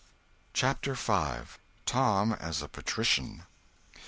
CHAPTER V. Tom as a Patrician.